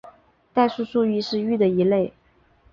代数数域是域的一类。